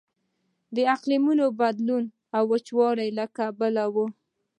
د اقلیمي بدلونونو او وچکاليو له کبله و.